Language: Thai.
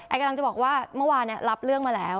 กำลังจะบอกว่าเมื่อวานรับเรื่องมาแล้ว